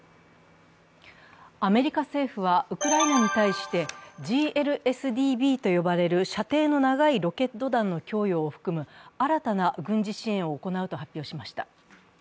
アメリカ政府はウクライナに対してＧＬＳＤＢと呼ばれる射程の長いロケット弾の供与を含む新たな軍事支援を行うと発表しました。